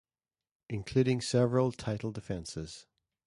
Including several title defenses.